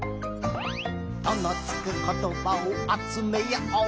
「『と』のつくことばをあつめよう」